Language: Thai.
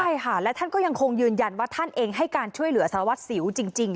ใช่ค่ะและท่านก็ยังคงยืนยันว่าท่านเองให้การช่วยเหลือสารวัตรสิวจริง